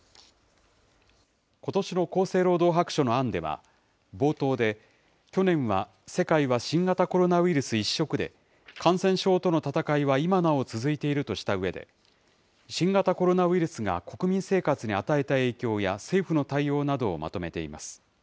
ことしの厚生労働白書の案では、冒頭で、去年は世界は新型コロナウイルス一色で、感染症との闘いは今なお続いているとしたうえで、新型コロナウイルスが国民生活に与えた影響や政府の対応などをまとめています。